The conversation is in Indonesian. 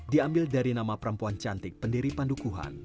diambil dari nama perempuan cantik pendiri pandukuhan